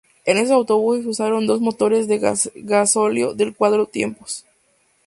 En estos autobuses se usaron dos motores de gasóleo de cuatro tiempos.